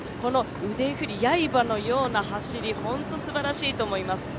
腕振り、刃のような走り、ホントすばらしいと思います。